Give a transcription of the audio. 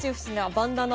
バンダナ？